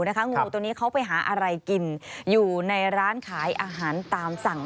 งูตัวนี้เขาไปหาอะไรกินอยู่ในร้านขายอาหารตามสั่ง